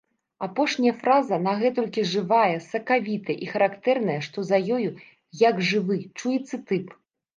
Апошняя фраза нагэтулькі жывая, сакавітая і характэрная, што за ёю, як жывы, чуецца тып.